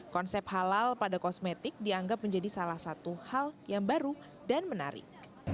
konsep halal pada kosmetik dianggap menjadi salah satu hal yang baru dan menarik